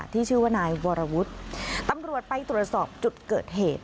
ชื่อว่านายวรวุฒิตำรวจไปตรวจสอบจุดเกิดเหตุ